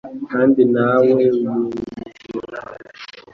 kandi na we yumviraho